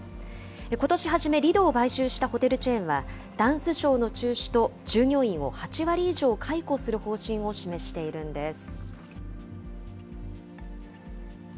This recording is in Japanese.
ことし初め、リドを買収したホテルチェーンはダンスショーの中止と、従業員を８割以上解雇する方針を示しているんです。